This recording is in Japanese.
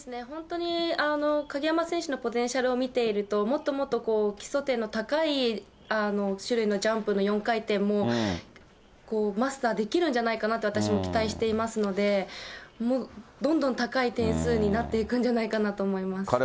本当に鍵山選手のポテンシャルを見てると、もっともっとこう、基礎点の高い種類のジャンプの４回転もマスターできるんじゃないかと、私も期待していますので、もうどんどん高い点数になっていくんじゃないかなと思います。